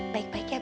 baik baik ya beb